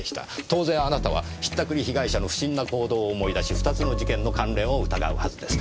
当然あなたは引ったくり被害者の不審な行動を思い出し２つの事件の関連を疑うはずです。